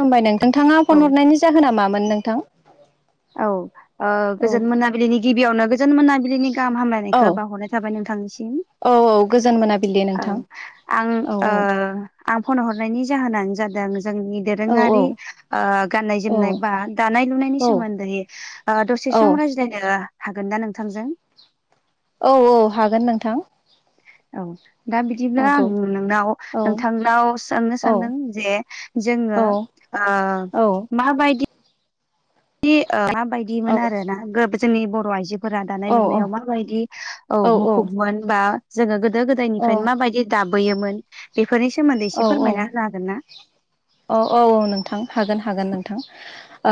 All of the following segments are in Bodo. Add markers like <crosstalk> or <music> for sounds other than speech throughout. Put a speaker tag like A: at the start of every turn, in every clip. A: खुुमबाय नोंथां नोंथाङा
B: औ
A: फन हरनायनि जाहोना मामोन नोंथां?
B: औ ओ
A: औ
B: गोजोन मोनाबिलिनि गिबियावनो गोजोन मोनाबिलिनि गाहाम
A: औ
B: हामलायनायखौ बावहरनाय थाबाय नोंथांनिसिम
A: औ औ गोजोन मोनाबिलि
B: औ
A: नोंथां
B: आं
A: औ
B: ओ आं फन हरनायनि जाहोनानो जादों जोंनि
A: औ औ
B: दोरोङारि ओ गाननाय
A: औ
B: जोमनाय बा दानाय लुनायनि सोमोन्दै ओ दसे
A: औ
B: सम रायज्लायनो हागोन ना नोंथांजों?
A: औ औ हागोन नोंथां।
B: औ दा बिदिब्ला आं
A: हागौ
B: नोंनाव
A: औ
B: नोंथांनाव सोंनो
A: औ
B: सानदों जे
A: औ
B: जोङो ओ
A: औ
B: माबायदि दि ओ
A: औ
B: माबायदिमोन आरोना जोंनि बर' आइजो फोरा दानाय
A: औ औ
B: लुनायाव माबायदि औ मुखुबमोन बा जोङो गोदो गोदायनिफ्रायनो माबायदि दाबबोयोमोन बेफोरनि सोमोन्दै एसे
A: औ
B: फोरमायना होनो हागोन ना?
A: औ औ नोंथां हागोन हागोन नोंथां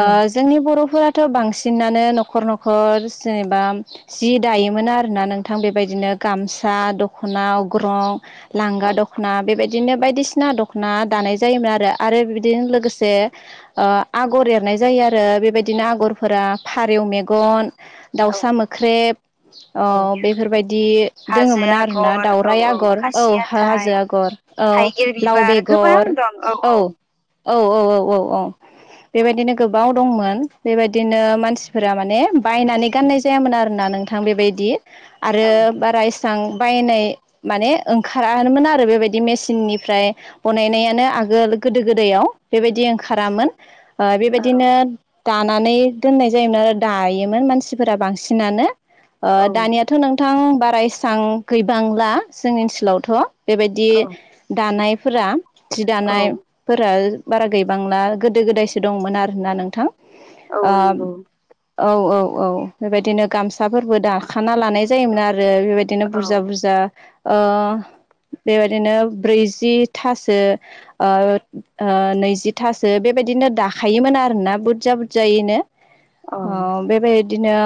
B: औ
A: जोंनि बर'फोरा थ' बांसिनानो न'खर न'खर जेनेबा जि दायोमोन आरोना नोंथां बेबायदिनो गामसा दख'ना अग्रं लांगा दख'ना बेबायदिनो बायदिसिना दख'ना दानाय जायोमोन आरो आरो बेबादिनो लोगोसे ओ आगर एरनाय जायो आरो बेबायदिनो आगरफोरा फारेव मेगन
B: औ
A: दाउसा मोख्रेब ओ
B: औ
A: बेफोरबायदि
B: हाजो
A: दोङोमोन आरोना
B: आगर औ
A: दाउराइ आगर औ
B: खासियाथाइ
A: हाजो आगर औ
B: थाइगिर
A: लाव
B: बिबार गोबां
A: बेगर
B: दं
A: औ औ औ औ औ औ बेबायदिनो गोबाव दंमोन बेबायदिनो मानसिफोरा माने बायनानै गाननाय जायामोन आरोना नों थां बेबायदि आरो
B: औ
A: बारा एस सां बायनाय माने ओंखारामोन आरो बेबायदि मेसिननिफ्राय बनायनायानो आगोल गोदो गोदायाव बेबायदि ओंखारामोन ओ
B: औ
A: बेबायदिनो दानानै दोननाय जायोमोन आरो दायोमोन मानसिफोरा बांसिनानो ओ
B: औ
A: दानिया थ' नोंथां बारा एसां गैबांला जोंनि ओनसोलावथ' बेबायदि दानायफोरा जि
B: औ
A: दानाय फोर बारा गैबांना गोदो गोदायसो दंमोन आरोना नोंथां।
B: औ
A: आब
B: नंगौ
A: औ औ औ बेबायदिनो गामसाफोरबो दाखाना लानाय जायोमोन आरो बेबायदि दिनो
B: औ
A: बुरजा बुरजा ओ बेबायदिनो ब्रैजिथासो ओ ओ नैजिथासो बेबायदिनो दाखायोमोन आरोना बुरजा बुरजायैनो।
B: औ
A: अह बेबायदिनो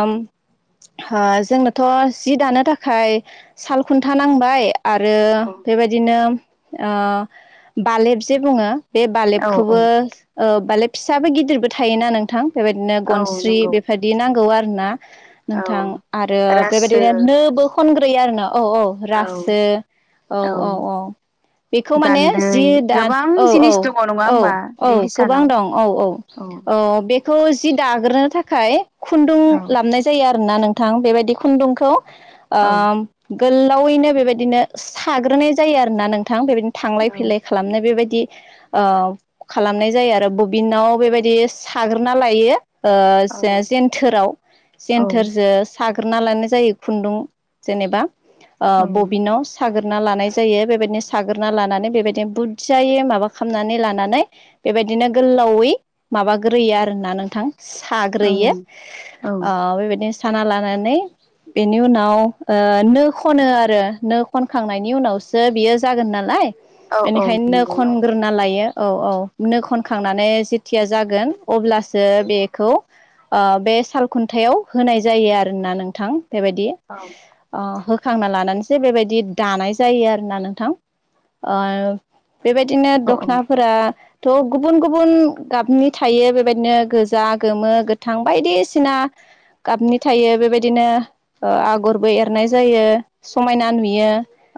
A: हो जोंनोथ' जि दानो थाखाय साल खुन्था नांबाय आरो
B: औ
A: बेबायदिनो ओ बालेब जे बुङो। बे
B: औ औ
A: बालेबखौबो ओ बालेब फिसाबो गिदिरबो थायोना नोंथां। बेबायदिनो
B: औ
A: गनस्रि
B: नंगौ
A: बेफबायाददि नांगौ आरो ना।
B: औ
A: नोंथां आरो
B: रासो
A: बेबायदिनो नोबो खनग्रोयो आरोना औ औ। रासो औ औ औ बेखौ माने
B: गान्दै
A: जि दा
B: गोबां
A: औ औ
B: जिनिस दङ नङा
A: औ
B: होमबा
A: औ
B: बे
A: गोबां
B: हिसानाव
A: दं औ औ औ बे खौ जि दाग्रोनो थाखाय खुन्दुं
B: औ
A: लाबनाय जा जायो आरोना नोंथां बेबायदि खुन्दुंखौ ओ
B: औ
A: गोलावैनो बेबायदिनो साग्रोनाय जायो आरोना नोंथां बेबायदिनो थांलाय
B: औ
A: फैलाय। खालामनाय बेबायदि ओ खालामनाय जायो आरो बबिनाव बेबायदि साग्रोना लायो। ओ
B: औ
A: जे-जन्थोराव
B: औ
A: जेन्थोरजो साग्रोना लानाय जायो खुन्दुं जेनेबा ओ
B: औ
A: बबिनाव साग्रोना लानाय जायो बेबायदिनो साग्रोना लानानै बेबायदिनो बुदजायै माबा खालामनानै लानानै बेबायदिनो गोलावै माबाग्रोयो आरोना नोंथां।
B: औ
A: साग्रोयो
B: औ
A: ओ बेबायदिनो साना लानानै बेनि उनाव ओ नो खनो आरो नो खनखांनायनि उनावसो बियो जागोन नालाय
B: औ औ
A: बेनिखायनो नो
B: नंगौ
A: खन ग्रोना लायो औ औ नो खनखांनानै जेथिया जागोन अब्लासो बेखौ ओ बे साल खुन्थायाइाव होनाय जायो आरोना नोंथां बेबायदि।
B: औ
A: ओ होखांना लानानैसो बेबायदि दानाय जायो आरोना नोंथां। बिदिनो
B: औ
A: दख'ना फोरा थ' गुबुन गुबुन गाबनि थायो बेबायदिनो गोजा गोमो गोथां बायदिसिना गाबनि थायो बेबायदिनो ओ आगरबो एरनाय जायो समायना नुयो।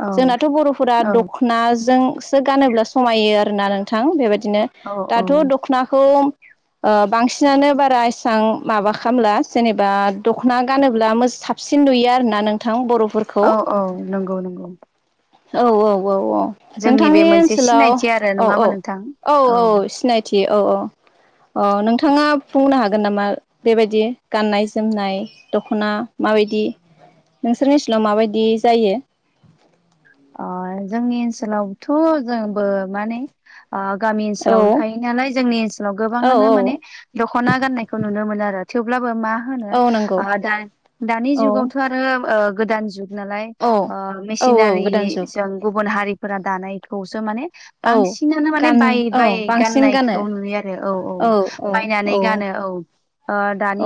B: औ
A: जोंनाथ' बर'फोरा
B: औ
A: दख'नाजोंसो गानोब्ला समायो आरोना नोंथां बेबायदिनो।
B: औ
A: दाथ' दख'नाखौ ओ बांसिनानो बारा इसबां माबा खालामला जेनेबा दख'ना गानोब्ला मोज साब सिननुयो आरो ना नोंथां बर'फोरखौ।
B: औ औ नंगौ नंगौ।
A: औ औ औ औ।
B: जोंनि बे
A: नोंथांनि
B: मोनसे
A: ओनसोलाव
B: सिनायथि आरो
A: औ
B: नङा
A: औ
B: होमबा नोंथां
A: औ औ सिनायथि औ औ। अ नोंथाङा बुंनो हागोन नामा? बेबायदि गाननाय जोमनाय दख'ना माबायदि नोंसोरनि ओन्सोलाव माबायदि जायो?
B: अ जोंनि ओनसोलावथ' जोंबो माने गामि ओनसोलावनो
A: औ
B: थायो नालाय जोंनि ओनसोलाव
A: औ
B: गोबाङानो
A: औ
B: माने दख'ना गाननायखौ नुनो मोनो आरो थेवब्लाबो मा मा
A: औ नंगौ
B: होनो दानि
A: औ
B: जुगावथ' आरो गोदान जुग नालाय
A: औ औ औ गोदान जुग
B: मेसिनारिजों गुबुन हारिफोरा दानायखौसो माने
A: औ
B: बांसिनानो माने
A: गान
B: बाय
A: औ
B: बाय
A: बांसिन गानो
B: गाननायखौ नुयो आरो औ औ बायनानै गानो औ।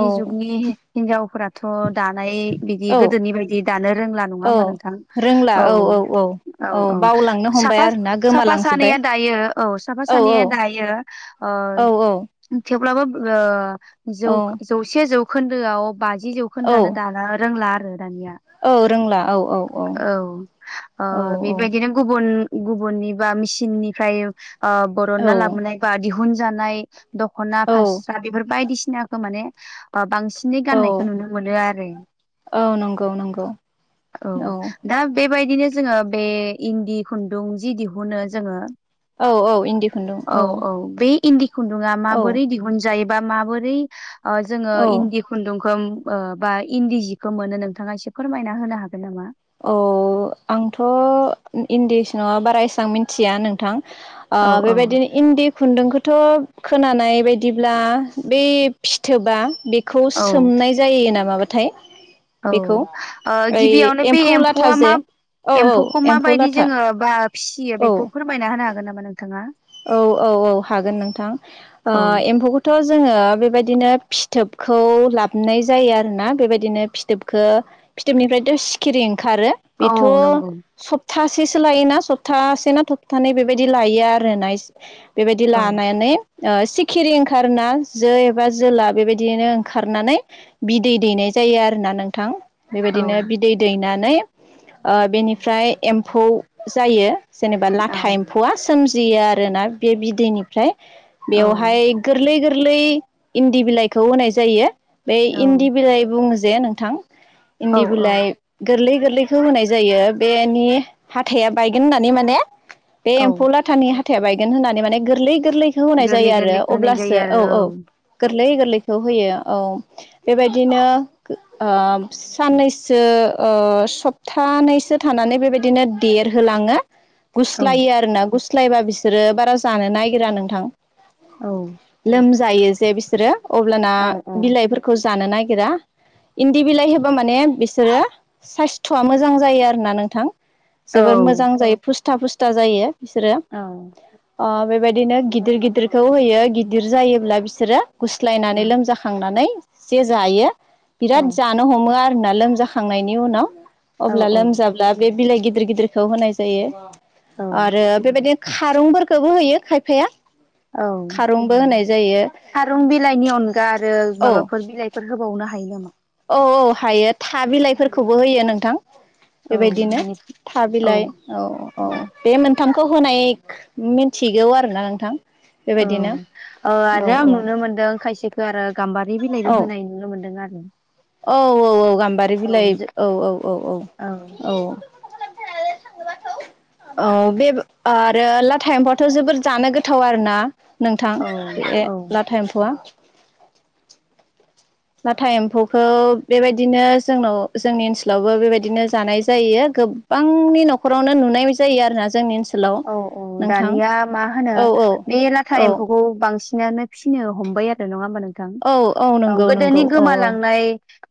A: औ
B: जुगनि हिन्जावफोराथ' दानाय बिदि
A: औ
B: गोदोनि बायदि दानो रोंला नङा
A: औ
B: होमबा नोंथां। औ। औ औ
A: बावलांनो हमबाय
B: साफा
A: आरोना
B: साफा
A: गोमालांजोब्बाय
B: सानैया दायो औ साफा सानैया दायो। ओ
A: औ औ
B: थेवब्लाबो ओ जौ
A: औ
B: जौसे जौखोन्दोआव बाजि जौखो खौनो
A: औ
B: दानो दाला रोंला आरो दानिया।
A: औ रोंला औ औ औ।
B: ओ
A: <inaudible>
B: बेबायदिनो गुबुन गुबुननि बा मिसिननिफ्राय ओ बरनना
A: औ
B: लाबोनाय ख बा दिहुन जानाय दखना
A: औ
B: फास्रा बेफोर बायदिसिनाखौ माने ओ बांसिन बिनि
A: औ
B: गाननायखौ नुनो मोनो आरो
A: औ नंगौ नंगौ
B: <inaudible> औ। दा बेबायदिनो जोङो बे इन्दि खुन्दुं जि दिहुनो जोङो।
A: औ औ इन्दि खुन्दुं
B: <inaudible> औ औ बे इदि खुन्दुंआ
A: औ
B: माबोरै दिहुन जायोबा माबोरै ओ जोङो
A: औ
B: इन्दि खुन्दुंखौ ओम बा इन्दि जिखौ मोनो नोंथाङा एसे फोरमायना होनो हागोन नामा?
A: औ आंथ' इन्दिस नङा बारा एसेबां मिथिया नोंथां। ओ
B: औ औ
A: बेबायदि इन्दि खुन्दुंखौथ' खोनानाय बायदिब्ला बै फिथोबा बे खौ
B: औ
A: सोमनाय जायो ना माबाथाय?
B: औ ओ गिबियावनो बे
A: लाथा
B: एम्फौआ मा
A: जे औ औ
B: एम्फौखौ
A: एम्फौ
B: माबायदि
A: लाथा
B: जोङो बा फिसियो
A: औ
B: बेखौ फोरमायना होनो हागोन नामा नोंथाङा?
A: औ औ औ हागोन नोंथां ओ
B: औ
A: एम्फौखौथ' थ' जोङो बेबायदिनो फिथोबखौ लाबाय जायो आरोना बेबायदिनो फिथोबखो फिथोबनिफ्रायथ' सिखिरि ओंखारो। बेथ'
B: औ नंगौ
A: सप्तासेसो लायोना सप्तासे ना थप्थानै बेबायदि लायो आर रो आरो ना इस बेबायदि
B: औ
A: लानानै सिखिरि ओंखारा जो एबा जोला बेबायदिनो ओंखारनानै बिदै दैनाय जायो आरोना नोंथां।
B: औ
A: बेबायदिनो बिदै दैनानै ओ बेनिफ्राय एम्फौ जायो। जेनेबा
B: औ
A: लाथा एम्फौआ सोमजियो आरोना बे बिदैनिफ्राय।
B: औ
A: बेवहाय गोरलै गोरलै इन्दि बिलाइखौ होनाय जायो। बे
B: औ
A: इन्दि बिलाइ बुङो ज जे नोंथां
B: औ
A: इन्दि बिलाइ
B: औ
A: गोरलै गोरलैखौ होनाय जायो बेनि हाथाइा बायगोन होननानै माने बे
B: औ
A: एम्फौ लाथानि हाथाया बायगोन होननानै माने गोरलै गोरलै खौ होनाय जायो
B: गोरलै
A: आरो
B: गोरलैखौ होनाय
A: अब्लासो
B: जायो आरो
A: औ औ गोरलै गोरलैखौ होयो औ। बेबायदिनो ओ साननैसो सप्थानैसो थानानै बेबायदिनो देरहोलाङो।
B: औ
A: गुस्लायो आरो ना गुस्लायबा बिसोरो बारा जानो नागिरा नोंथां।
B: औ
A: लोमजायो जे बिसोरो अब्लाना
B: औ औ
A: बिलाइफोरखौ जानो नागिरा। इन्दि बिलाइ होबा माने बिसोरो साइस्थ'आ मोजां जायो आरोना नोंथां।
B: औ
A: जोबोर मोजां जायो फुस्था फुस्था जायो बिसोरो।
B: औ।
A: अ बेबायदिनो गिदिर गिदिरखौ होयो गिदिर जायोब्ला बिसोरो
B: औ
A: गुस्लायनानै लोमजाखांनानै जे जायो
B: औ
A: बिराद ज हमो आरोना लोमजाखांनायनि उनाव,
B: औ
A: अब्ला
B: औ
A: लोमजाब्ला बे बिलाइ गिदिर गिदिरखौ होनाय जायो,
B: औ
A: आरो बेबायदि खारंफोरखौबो होयो खायफाया।
B: औ
A: खारंबो होनाय जायो
B: फारुन बिलाइनि अनगा आरो
A: औ
B: माबाफोर बिलाइ बेफोर होबावनो हायो नामा?
A: औ औ हायो था बिलाइफोरखौबो होयो नोंथां।
B: औ
A: बेबायदिनो
B: बेनि
A: था
B: औ
A: बिलाइ औ औ। बे मोनथामखौ होनाय मिन्थिगौ आरोना नोंथां।
B: औ
A: बेबायदिनो
B: औ आरो आं नुनो मोनदों खायसेखौ आरो गाम्बारि
A: औ
B: बिलाइबो
A: औ
B: होनायनि नुनो मोन्दों आरो।
A: औ औ औ गाम्बारि
B: औ
A: बिलाइ
B: जो
A: औ औ औ औ औ।
B: <inaudible>
A: औ बे आरो लाटाइम्फावथ' जोबोर जानो गोथाव आरोना। नोंथां
B: औ
A: ए
B: औ
A: ला टाइम्फ'वआ। नाथा एम्फौखौ बेबायदिनो जोंनाव जोंनि ओनसोलावबो बेबायदिनो जानाय जायो। गोबांनि न'खरावनो नुनाय जायो आरो ना जोंनि ओनोल
B: औ औ दानिया मा होनो
A: औ औ
B: बे लाथा
A: औ
B: एम्फौखौ बांसिन बिसिनानो फिसिनो हमबाय आरो नङा होमबा नोंथां
A: औ
B: औ
A: नंगौ नंगौ
B: गोदोनि
A: औ
B: गोमालांनाय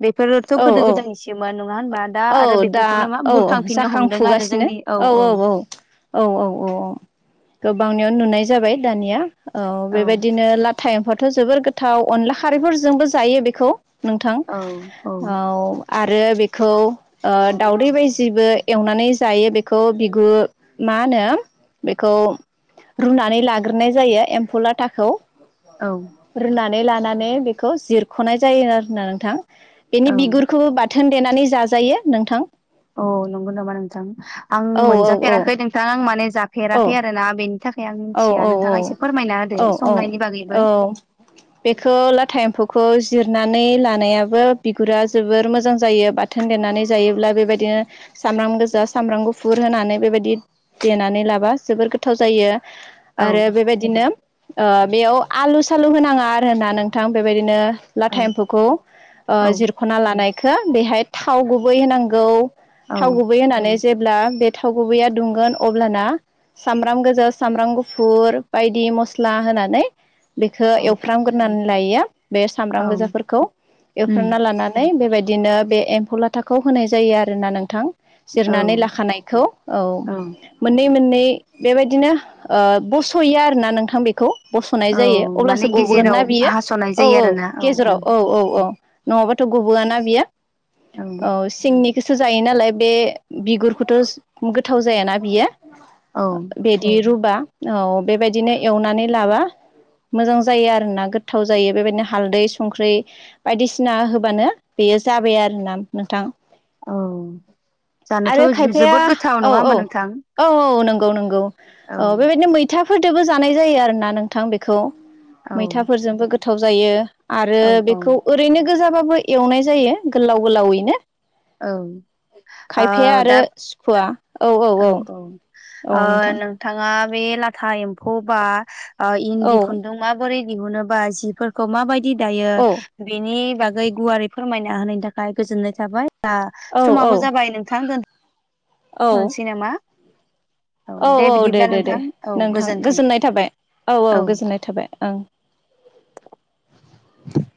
B: बेफोरथ'
A: औ
B: गोदो
A: औ
B: गोदानसोमोन नङा होनबा? दा
A: औ
B: आरो
A: दा
B: बेफोरखौनो मा
A: औ
B: बुरखांफिननो हमदों आरो
A: जाखांफुगासिनो
B: जोंनि
A: औ औ औ। औ औ औ औ गोबांनियाव नुनाय जाबाय दानिया औ बेबायदिनो ला टाइमफथ' जोबोर गोथाव अनला खारैफोरजोंबो जायो बेखौ। नोंथां
B: औ
A: औ आरो बेखौ दाउदै बायदिबो एवनानै जायो बेखौ बिगु मा होनो? बेखौ रुनानै लाग्रोनाय जायो एम्फौ लाथाखौ।
B: औ।
A: रुनानै लानानै बेखौ जिरख'नाय जायो आरोना नोंथां।
B: औ
A: बेनि बिगुरखौबो ब बिथ थोन देनानै जाजायो नोंथां।
B: औ नंगौ नामा नोंथां। आं
A: औ औ औ
B: मोनजाफेराखै नोंथां आं माने
A: औ
B: जाफेराखै आरोना बेनि थाखाय आं
A: औ
B: मिथिया नोंथाङा एसे फोरमायना
A: औ
B: होदो
A: औ
B: संनायनि बागैबो।
A: औ। बेखौ लाथा एम्फौखौ जिरनानै लानायाबो बिगुरा जोबोर मोजां जायो बौ थोन देरनानै जायोब्ला बेबायदिनो सामब्राम गोजा सामब्राम गुफुर होनानै बेबायदि देनानै लाबा जोबोर गोथाव जायो।
B: औ
A: आरो बेबायदिनो बेयाव आलु सालु होनाङा आरो होनना नोंथां बेबायदिनो लाथा
B: औ
A: एम्फौखौ
B: औ
A: जिरख'ना लानायखौ बेहाय थाव गुबै होनांगौ। थाव
B: औ
A: गुबै होननानै जेब्ला बे थाव गुबैया दुंगोन अब्लाना सामब्राम गोजा सामब्राम गुफुर बायदि मस्ला होनानै बेखौ
B: औ
A: एवफ्रामग्रोनानै लायोया बे सामब्राम
B: औ
A: गोजाफोरखौ
B: उम
A: एवफ्रामना लानानानै बेबायदिनो बे एम्फौ लाथाखौ होनाय जायो आरोना नोंथां
B: औ
A: जिरनानै लाखानायखौ औ मोननै मोननै बेबायदिनो बस'या आरोना नोंथां बेखौ बस'नाय
B: औ
A: जायो अब्लासो
B: माने
A: गबगोन
B: गेजेराव
A: ना बियो
B: हास'नाय
A: औ
B: जायो
A: औ
B: आरोना
A: गेजेराव औ औ औ नङाबाथ' गुबबोआ ना बियो औ सिंनि गोसो जायो नालाय बे बिगुरखौथ' गोथाव जायाना बियो
B: औ
A: बे द रुबा औ बेबायदिनो एवनानै लाबा मोजां जायो आरोना गोथाव जायो बेबायदिनो हालदै संख्रि बायदिसिना होबानो बेयो जाबाय आरो ना नोंथां
B: औ जानोथ'
A: आरो खायफाया
B: जोबोद गोथाव
A: औ
B: नङा
A: औ
B: होमबा नोंथां
A: औ औ नंगौ नंगौ औ बेबायदिनो मै मैथाफोरजोंबो जानाय जायो आरोना नोंथां बेखौ
B: औ
A: मैथाफोरजोंबो गोथाव जायो आरो
B: औ औ
A: बेखौ ओरैनो गोजाबाबो एवनाय जायो गोलाव गोलावैनो
B: औ ओ
A: खायफाया आरो
B: दा
A: सुखुवा औ औ औ औ नोंथां
B: नोंथाङा बे लाथा एम्फौ बा इन्दि
A: औ
B: खुन्दुं माबोरै दिहुनोबा जिफोरखौ माबायदि दायो
A: औ
B: बेनि बागै गुवारै फोरमायना होनायनि थाखाय गोजोननाय थाबाय दा
A: औ
B: समाबो जाबाय नोंथां दोन
A: औ
B: <inaudible> थनसै नामा?
A: औ औ दे
B: बिदिब्ला
A: दे दे
B: नोंथां औ
A: नोंथां
B: गोजोन्थों
A: गोजोननाय थाबाय औ औ गोजोननाय थाबाय ओं।